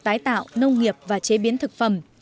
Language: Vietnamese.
tái tạo nông nghiệp và chế biến thực phẩm